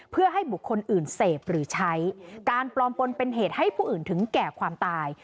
เพื่อให้บุคคลอื่นเสพหรือใช้การปลอมปนเป็นเหตุให้ผู้อื่นถึงแก่ความตาย